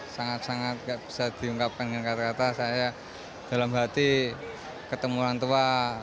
sangat sangat gak bisa diungkapkan dengan kata kata saya dalam hati ketemu orang tua